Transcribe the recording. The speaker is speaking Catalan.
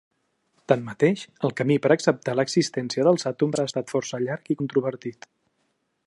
Tanmateix, el camí per acceptar l'existència dels àtoms ha estat força llarg i controvertit.